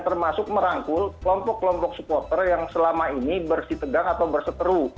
termasuk merangkul kelompok kelompok supporter yang selama ini bersih tegang atau berseteru